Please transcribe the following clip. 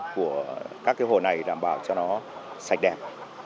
các hồ này đảm bảo cho nó sạch đẹp